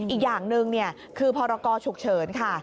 อีกอย่างหนึ่งคือพรกรฉุกเฉินค่ะ